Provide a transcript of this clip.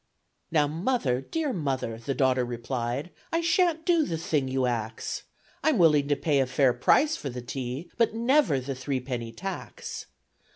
"Now, mother, dear mother," the daughter replied, "I shan't do the thing you ax. I'm willing to pay a fair price for the tea, But never the three penny tax."